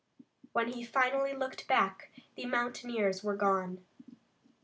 When he finally looked back the mountaineers were gone.